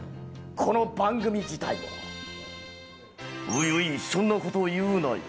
この番組自体、おいおい、そんなこと言うなよ。